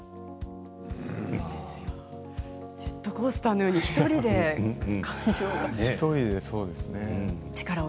ジェットコースターのように１人で感情を。